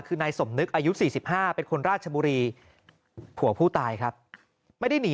คือนายสมนึกอายุ๔๕เป็นคนราชบุรีผัวผู้ตายครับไม่ได้หนี